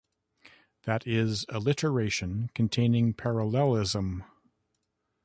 That is, alliteration containing parallelism.